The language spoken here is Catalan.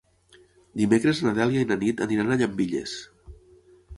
Dimecres na Dèlia i na Nit aniran a Llambilles.